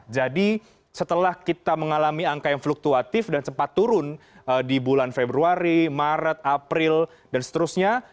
jadi setelah kita mengalami angka yang fluktuatif dan sempat turun di bulan februari maret april dan seterusnya